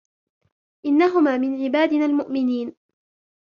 إنهما من عبادنا المؤمنين